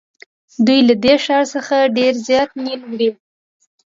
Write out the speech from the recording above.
دوی له دې ښار څخه ډېر زیات نیل وړي.